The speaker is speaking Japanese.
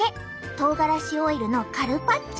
とうがらしオイルのカルパッチョ！